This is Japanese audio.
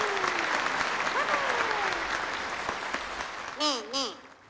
ねえねえ。